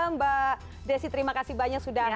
mbak desi terima kasih banyak sudah